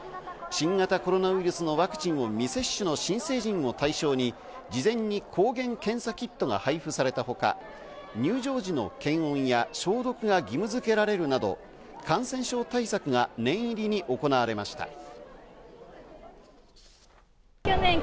新型コロナウイルスのワクチンを未接種の新成人を対象に事前に抗原検査キットが配布されたほか、入場時の検温や消毒が義務づけられるなど、感染症対策が念入りに行われました。